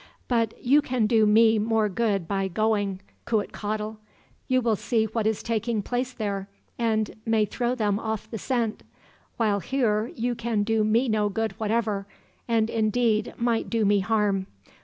"But you can do me more good by going, Cuitcatl. You will see what is taking place there, and may throw them off the scent; while here you can do me no good whatever, and indeed might do me harm.